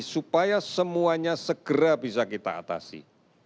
supaya semuanya segera bisa kita atasi